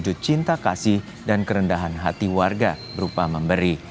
kejut cinta kasih dan kerendahan hati warga berupa memberi